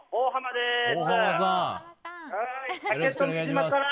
お願いします。